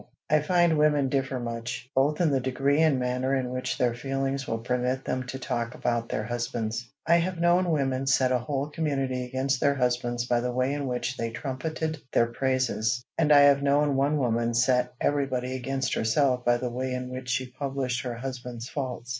I find women differ much, both in the degree and manner in which their feelings will permit them to talk about their husbands. I have known women set a whole community against their husbands by the way in which they trumpeted their praises; and I have known one woman set everybody against herself by the way in which she published her husband's faults.